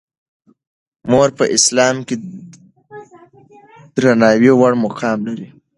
مور په اسلام کې د درناوي وړ مقام لري.